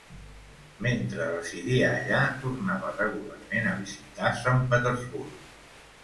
Mentre residia allà, tornava regularment a visitar Sant Petersburg.